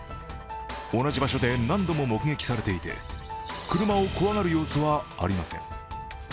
同じ場所で何度も目撃されていて車を怖がる様子はありません。